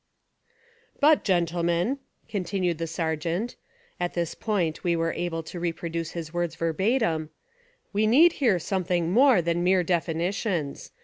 *'But, gentlemen," continued the Sergeant, and at this point we are able to reproduce his words verbatim, "we need here something more than mere definitions.